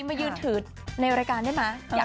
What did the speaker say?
มายืนถือในรายการได้ไหม